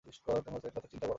তোমার ছেলের কথা চিন্তা কর।